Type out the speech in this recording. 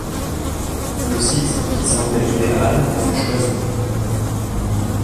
Le site, qui semblait idéal, fut choisi.